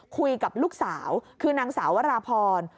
คุยกับลูกสาวคือนางสาววราพร